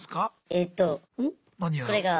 えとこれが。